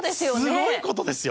すごい事ですよ！